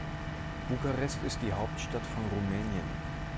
Bukarest ist die Hauptstadt von Rumänien.